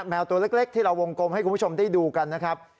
แมวตัวเล็กที่เราวงกลมให้คุณผู้ชมได้ดูกันนะครับ